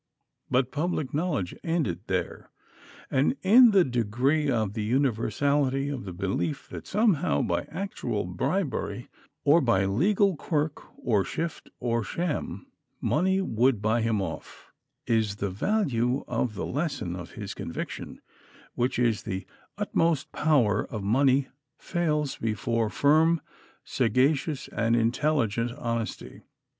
But public knowledge ended there. And in the degree of the universality of the belief that somehow, by actual bribery, or by legal quirk or shift or sham, money would buy him off, is the value of the lesson of his conviction, which is that the utmost power of money fails before firm, sagacious, and intelligent honesty.